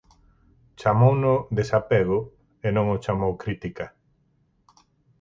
Chamouno desapego e non o chamou crítica.